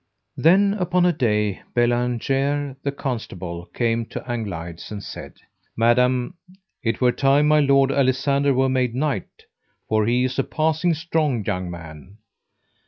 Then upon a day Bellangere the Constable came to Anglides and said: Madam, it were time my lord Alisander were made knight, for he is a passing strong young man.